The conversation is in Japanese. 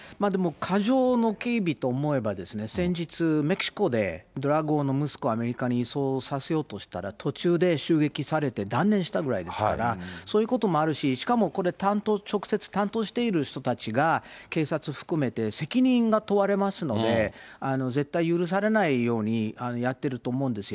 でも過剰の警備と思えば、先日、メキシコでドラッグ王の息子、アメリカに移送させようとしたら、途中で襲撃されて、断念したぐらいですから、そういうこともあるし、しかもこれ、担当、直接担当している人たちが、警察含めて責任が問われますので、絶対許されないようにやってると思うんですよ。